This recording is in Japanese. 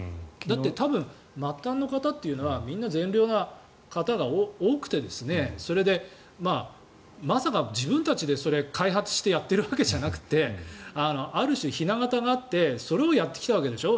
多分、末端の方というのは善良な方が多くてそれで、まさか自分たちで開発してやっているわけじゃなくてある種、ひな形があってそれをやってきたわけでしょ。